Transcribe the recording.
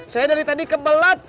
saya dari tadi kebelet